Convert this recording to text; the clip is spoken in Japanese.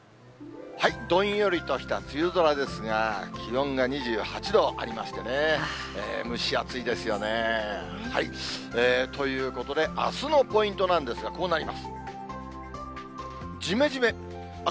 どんよりとした梅雨空ですが、気温が２８度ありましてね、蒸し暑いですよね。ということで、あすのポイントなんですが、こうなります。